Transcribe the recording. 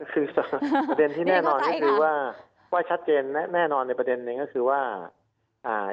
คือประเด็นที่แน่นอนก็คือว่าว่าชัดเจนแน่นอนในประเด็นหนึ่งก็คือว่าอ่า